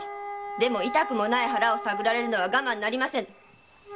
痛くもない腹を探られるのは我慢なりませぬ。